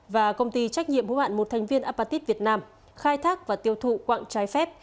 và công ty trách nhiệm hữu hạn một thành viên apatit việt nam khai thác và tiêu thụ quạng trái phép